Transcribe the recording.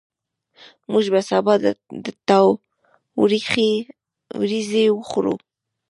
موږ به سبا د تا وریځي وخورو